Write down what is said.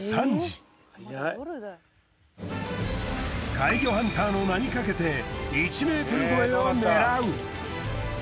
怪魚ハンターの名にかけて１ｍ超えを狙う。